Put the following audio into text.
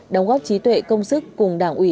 đóng góp trí tuệ công sức cùng đảng ủy